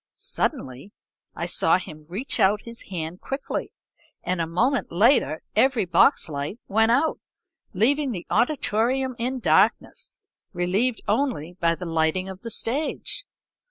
Suddenly I saw him reach out his hand quickly, and a moment later every box light went out, leaving the auditorium in darkness, relieved only by the lighting of the stage.